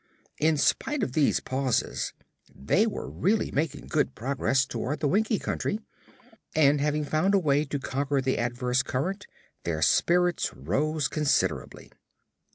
In spite of these pauses they were really making good progress toward the Winkie Country and having found a way to conquer the adverse current their spirits rose considerably.